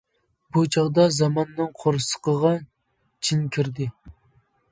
بۇ چاغدا زاماننىڭ قورسىقىغا جىن كىردى.